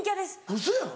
ウソやん。